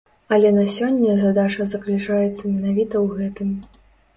Але на сёння задача заключаецца менавіта ў гэтым.